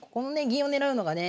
銀を狙うのがね